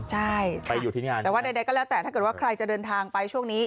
ใช่ค่ะแต่ว่าใดก็แล้วแต่ถ้าเกิดว่าใครจะเดินทางไปช่วงนี้